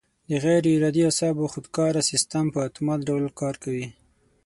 د غیر ارادي اعصابو خودکاره سیستم په اتومات ډول کار کوي.